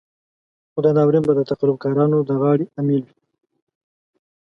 خو دا ناورين به د تقلب کارانو د غاړې امېل وي.